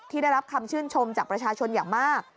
ได้รับคำชื่นชมจากประชาชนอย่างมาก